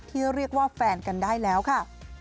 ที่เรียกว่าแฟนกันได้แล้วค่ะ